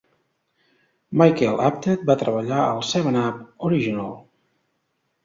Michael Apted va treballar al "Seven Up" original.